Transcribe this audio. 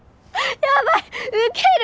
やばいウケる！